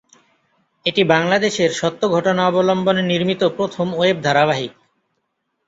এটি বাংলাদেশের সত্য ঘটনা অবলম্বনে নির্মিত প্রথম ওয়েব ধারাবাহিক।